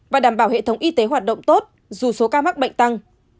và đảm bảo hệ thống y tế hoạt động tốt dù số ca mắc bệnh tăng